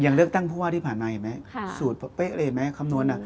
ยังเลือกตั้งผู้ว่าที่ผ่านในไหมสูตรเป๊ะเลยไหมคำนวณ